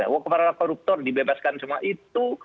bahwa para koruptor dibebaskan semua itu